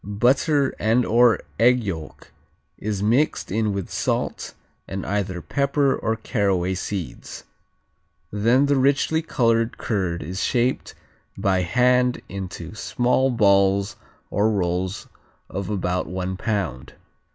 Butter and/or egg yolk is mixed in with salt, and either pepper or caraway seeds. Then the richly colored curd is shaped by hand into small balls or rolls of about one pound.